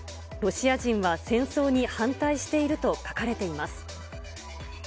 ロシア人は戦争に反対していると書かれています。